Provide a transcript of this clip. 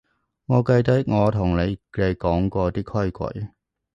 我記得我同你哋講過啲規矩